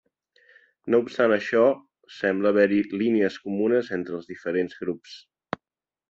No obstant això, sembla haver-hi línies comunes entre els diferents grups.